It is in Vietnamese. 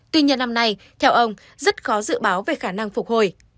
tuy nhiên năm nay theo ông rất khó dự báo về khả năng phục hồi